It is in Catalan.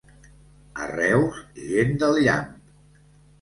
A Reus, gent del llamp.